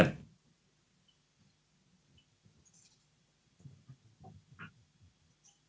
pak sandiaga silahkan